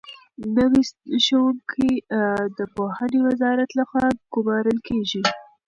نوي ښوونکي د پوهنې وزارت لخوا ګومارل کېږي.